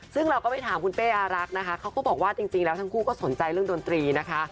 ซึ่งเราก็ไปถามคุณเป้อารักษ์นะคะเขาก็บอกว่าจริงแล้วทั้งคู่ก็สนใจเรื่องดนตรีนะคะ